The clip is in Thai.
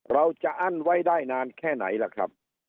อั้นไว้ได้นานแค่ไหนล่ะครับ